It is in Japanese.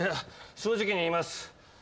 正直に言います。